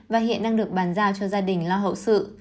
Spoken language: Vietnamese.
và hiện đang được bàn giao cho gia đình lo hậu sự